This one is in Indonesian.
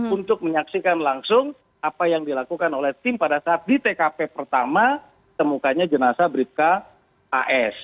untuk menyaksikan langsung apa yang dilakukan oleh tim pada saat di tkp pertama temukannya jenazah bribka as